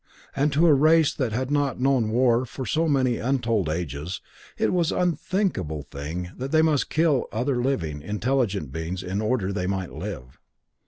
And to a race that had not known war for so many untold ages, it was an unthinkable thing that they must kill other living, intelligent beings in order that they might live.